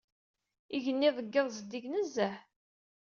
Igenni deg iḍ zeddig nezzeh.